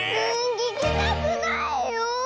ききたくないよ。